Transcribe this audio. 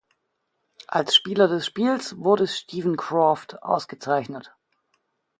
Als Spieler des Spiels wurde Steven Croft ausgezeichnet.